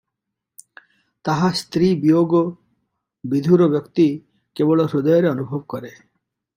ତାହା ସ୍ତ୍ରୀ ବିୟୋଗବିଧୂର ବ୍ୟକ୍ତି କେବଳ ହୃଦୟରେ ଅନୁଭବ କରେ ।